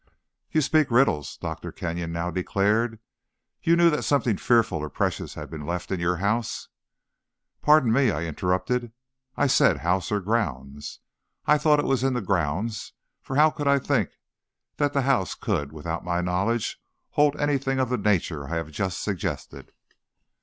"You speak riddles," Dr. Kenyon now declared. "You knew that something fearful or precious had been left in your house " "Pardon me," I interrupted; "I said house or grounds. I thought it was in the grounds, for how could I think that the house could, without my knowledge, hold anything of the nature I have just suggested?"